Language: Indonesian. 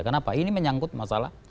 kenapa ini menyangkut masalah